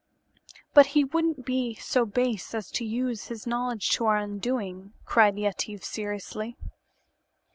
"But he wouldn't be so base as to use his knowledge to our undoing," cried Yetive seriously.